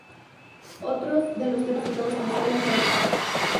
Otro de los temas tratados en esta sala, es la alfarería olmeca.